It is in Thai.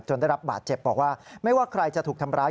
ได้รับบาดเจ็บบอกว่าไม่ว่าใครจะถูกทำร้าย